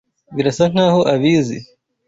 Birasa nkaho abizi.